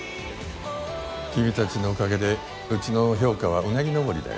君達のおかげでうちの評価はうなぎのぼりだよ